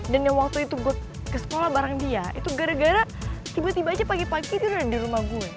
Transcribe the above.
dan waktu itu gue ke sekolah bareng dia itu gara gara tiba tiba aja pagi pagi dia udah di rumah gue